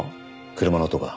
車の音か？